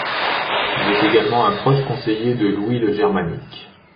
Il est également un proche conseiller de Louis le Germanique.